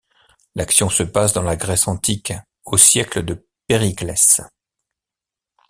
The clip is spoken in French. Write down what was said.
L'action se passe dans la Grèce antique, au siècle de Périclès.